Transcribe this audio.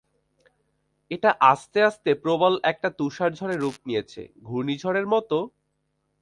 এটা আস্তে আস্তে প্রবল একটা তুষারঝড়ে রূপ নিয়েছে, ঘূর্ণিঝড়ের মতো?